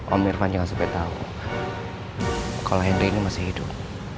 om irfan jangan sampai tahu kalau henry ini masih hidup